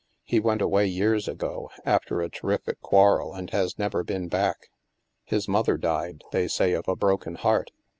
He went away years ago, after a terrific quarrel, and has never been back. His mother died, they say, of a broken heart.